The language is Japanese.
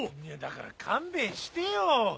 いやだから勘弁してよ